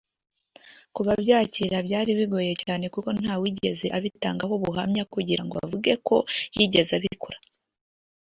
kubbyakira byari bigoye cyane kuko nta wigeze abitangaho ubuhamya kugirango avuge ko yigeze abikora